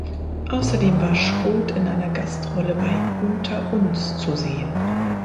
Außerdem war Schroth in einer Gastrolle bei Unter uns zu sehen.